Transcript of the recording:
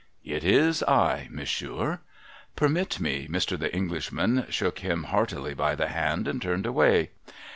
' It is I, monsieur.' ' Permit me.' Mr. The Englishman shook him heartily by the hand and turned away.